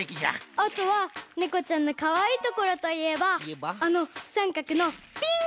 あとはねこちゃんのかわいいところといえばあのさんかくのピンとしたおみみ。